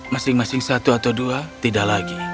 masing masing satu atau dua tidak lagi